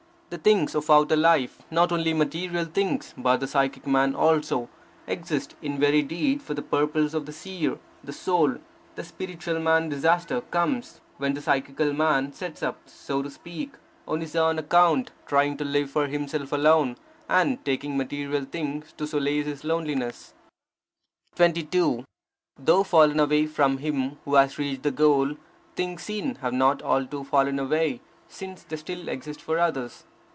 The things of outer life, not only material things, but the psychic man also, exist in very deed for the purposes of the Seer, the Soul, the spiritual man Disaster comes, when the psychical man sets up, so to speak, on his own account, trying to live for himself alone, and taking material things to solace his loneliness. 22. Though fallen away from him who has reached the goal, things seen have not alto fallen away, since they still exist for others.